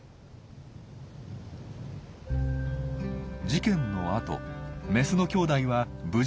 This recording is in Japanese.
事件のあとメスのきょうだいは無事に家族に合流。